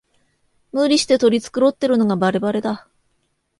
無理して取り繕ってるのがバレバレだ